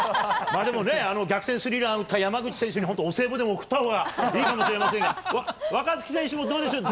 まあ、でもね、逆転スリーラン打った山口選手に、本当、お歳暮でも贈ったほうがいいかもしれませんが、若月選手もどうでしょう？